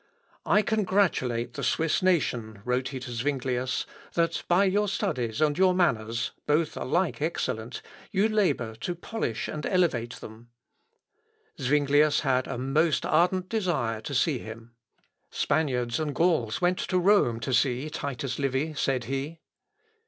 "I congratulate the Swiss nation," wrote he to Zuinglius, "that by your studies and your manners, both alike excellent, you labour to polish and elevate them." Zuinglius had a most ardent desire to see him. "Spaniards and Gauls went to Rome to see Titus Livy," said he.